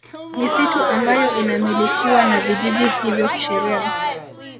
Misitu ambayo inamilikiwa na vijiji hivyo kisheria